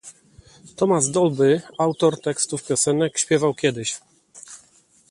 Thomas Dolby, autor tekstów piosenek, śpiewał kiedyś